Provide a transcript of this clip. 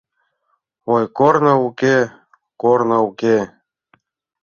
Ой, корно уке, корно уке